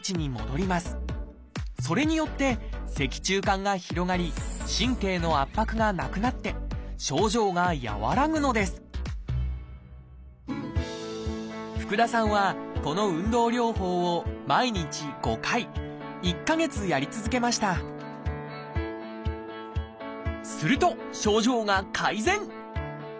それによって脊柱管が広がり神経の圧迫がなくなって症状が和らぐのです福田さんはこの運動療法を毎日５回１か月やり続けましたすると症状が改善！